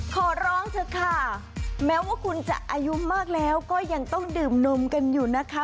ขอร้องเถอะค่ะแม้ว่าคุณจะอายุมากแล้วก็ยังต้องดื่มนมกันอยู่นะคะ